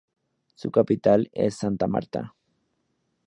Su capital es Santa Marta.